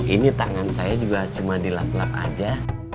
ini tangan saya juga cuma dilap lap aja